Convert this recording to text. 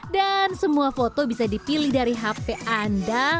dan semua foto bisa dipilih dari hp anda